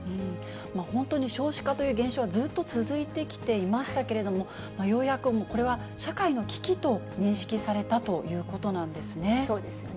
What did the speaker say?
本当に少子化という現象はずっと続いてきていましたけれども、ようやくこれは社会の危機と認識されたということなんですね。